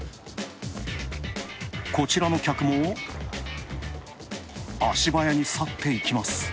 こちらの客も足早に去っていきます。